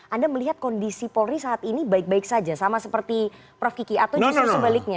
anda melihat kondisi polri saat ini baik baik saja sama seperti prof kiki atau justru sebaliknya